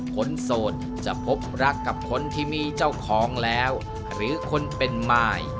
โสดจะพบรักกับคนที่มีเจ้าของแล้วหรือคนเป็นมาย